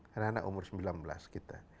karena anak umur sembilan belas kita